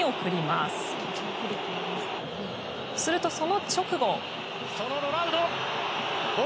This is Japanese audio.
するとその直後。